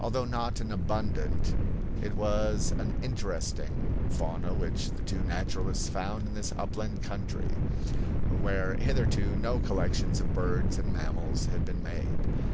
Although not an abundant, it was an interesting, fauna which the two naturalists found in this upland country, where hitherto no collections of birds and mammals had been made.